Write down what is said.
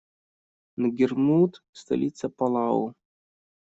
Нгерулмуд - столица Палау.